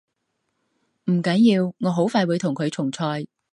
唔緊要，我好快會同佢重賽